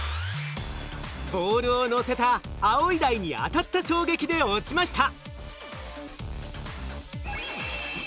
ボールをのせた青い台に当たった衝撃で落ちました。